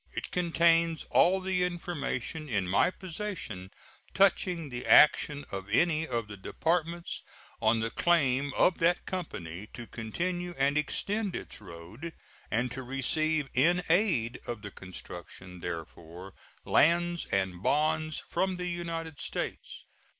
It contains all the information in my possession touching the action of any of the Departments on the claim of that company to continue and extend its road and to receive in aid of the construction thereof lands and bonds from the United States.